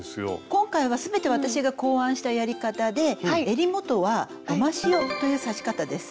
今回は全て私が考案したやり方でえり元は「ゴマシオ」という刺し方です。